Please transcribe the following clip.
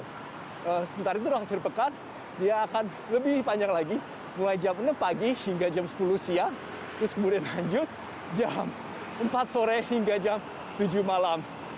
sementara itu akhir pekan dia akan lebih panjang lagi mulai jam enam pagi hingga jam sepuluh siang terus kemudian lanjut jam empat sore hingga jam tujuh malam